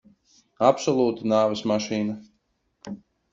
Absolūta nāves mašīna.